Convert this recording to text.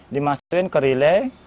dimasukin ke relay